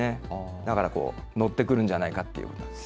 だからこう、乗ってくるんじゃないかということですね。